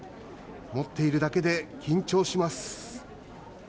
持っているだけで緊張します。